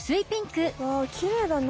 わあきれいだな。